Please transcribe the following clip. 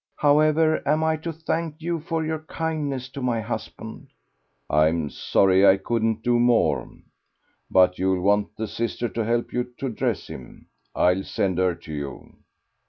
However am I to thank you for your kindness to my husband?' "I'm sorry I couldn't do more. But you'll want the sister to help you to dress him. I'll send her to you."